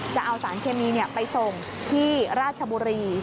จะเอาสารเคมีไปส่งที่ราชบุรี